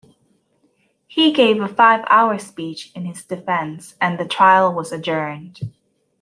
He gave a five-hour speech in his defence and the trial was adjourned.